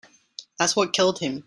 That's what killed him.